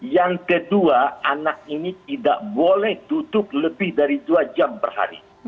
yang kedua anak ini tidak boleh tutup lebih dari dua jam per hari